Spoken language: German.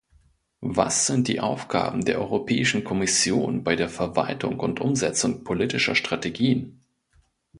Was sind die Aufgaben der Europäischen Kommission bei der Verwaltung und Umsetzung politischer Strategien?